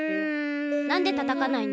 なんでたたかないの？